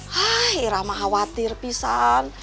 hai irah mah khawatir pisang